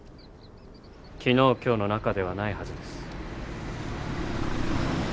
昨日今日の仲ではないはずです。